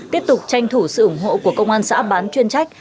tiếp tục tranh thủ sự ủng hộ của công an xã bán chuyên trách